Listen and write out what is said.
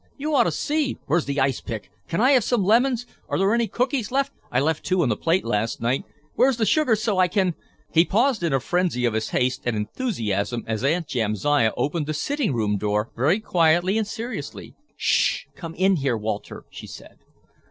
You ought to see. Where's the ice pick? Can I have some lemons? Are there any cookies left? I left two on the plate last night. Where's the sugar so I can—" He paused in his frenzy of haste and enthusiasm as Aunt Jamsiah opened the sitting room door, very quietly and seriously. "Shh, come in here, Walter," she said.